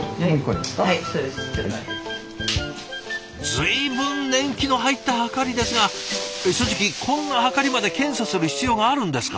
随分年季の入ったはかりですが正直こんなはかりまで検査する必要があるんですか？